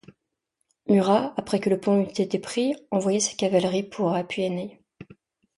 Murat, après que le pont eut été pris, envoya sa cavalerie pour appuyer Ney.